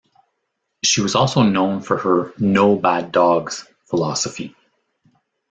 She was also known for her "no bad dogs" philosophy.